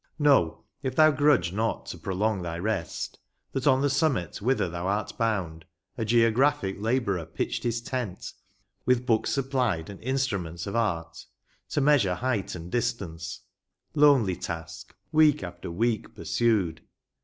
Know, if thou grudge not to prolong thy rest, That on the summit whither thou art bound, A geographic Labourer pitched his tent, With books supplied and instruments of art, To measure height and distance ; lonely task, Week after week pursued